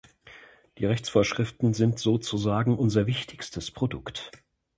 Die Rechtsvorschriften sind sozusagen unser wichtigstes Produkt.